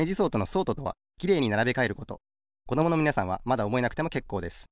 ちなみにこどものみなさんはまだおぼえなくてもけっこうです。